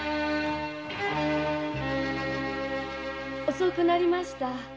遅くなりました。